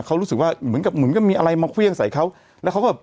เขารู้สึกว่าเหมือนกับเหมือนก็มีอะไรมาเครื่องใส่เขาแล้วเขาก็